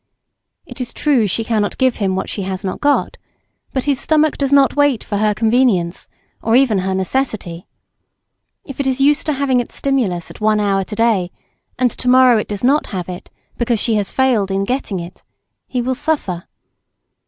It is true she cannot give him what she has not got; but his stomach does not wait for her convenience, or even her necessity. If it is used to having its stimulus at one hour to day, and to morrow it does not have it, because she has failed in getting it, he will suffer.